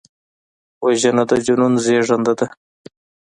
وژنه د جنون زیږنده ده